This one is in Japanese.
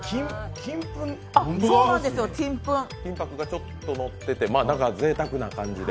金ぱくがちょっとのってて、贅沢な感じで。